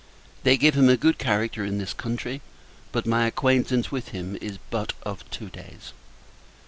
They give him a good character in this country, but my acquaintance with him is but of two days.